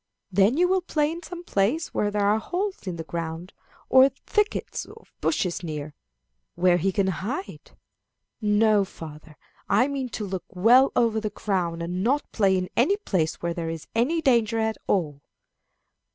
"Then you will play in some place where there are holes in the ground, or thickets of bushes near, where he can hide." "No, father, I mean to look well over the ground, and not play in any place where there is any danger at all."